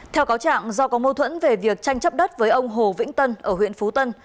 theo cáo trạng do có mâu thuẫn về việc tranh chấp đất với ông hồ vĩnh tân ở huyện phú tân